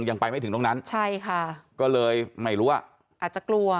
ยังไปไม่ถึงตรงนั้นใช่ค่ะก็เลยไม่รู้ว่าอาจจะกลัว